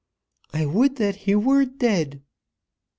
"I would that he were dead!"